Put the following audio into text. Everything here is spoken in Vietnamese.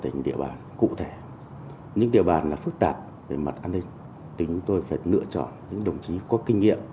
nếu địa bàn nào phức tạp về trực tuyển xã hội